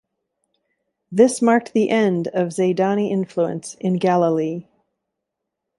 This marked the end of Zaydani influence in Galilee.